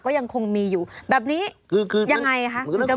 ก็ยังมีอยู่แบบนี้ยังไงครับ